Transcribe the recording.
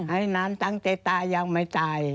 ให้นานตั้งแต่ตายังไม่ตาย